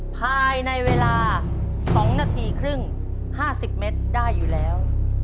ภายในเวลา๒นาทีครึ่ง๕๐เมตรได้อยู่แล้ว